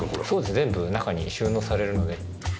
全部中に収納されるので。